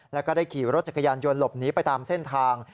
แล้วก็ได้ขี่รถจักรยานยนต์หลบหนีไปตามเส้นทาง